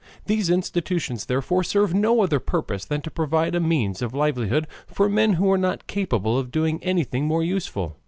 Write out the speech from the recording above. These institutions therefore serve no other purpose than to provide a means of livelihood for men who are not capable of doing anything more useful.